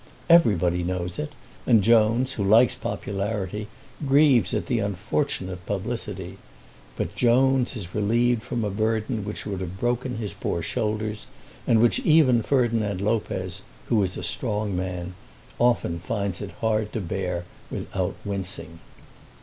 Everybody knows it, and Jones, who likes popularity, grieves at the unfortunate publicity. But Jones is relieved from a burden which would have broken his poor shoulders, and which even Ferdinand Lopez, who is a strong man, often finds it hard to bear without wincing.